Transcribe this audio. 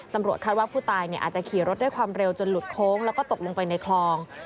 ตำรวจคาดว่าผู้ตายอาจจะขี่รถด้วยความเร็วจนหลุดโค้งแล้วก็ตกลงไปในคลอง